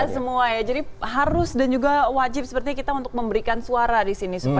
semua ya jadi harus dan juga wajib sepertinya kita untuk memberikan suara di sini